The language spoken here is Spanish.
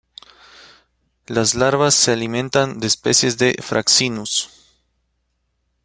Las larvas se alimentan de especies de "Fraxinus".